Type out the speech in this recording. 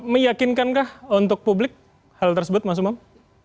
meyakinkankah untuk publik hal tersebut mas umam